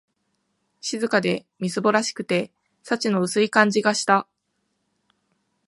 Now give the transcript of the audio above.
静かで、みすぼらしくて、幸の薄い感じがした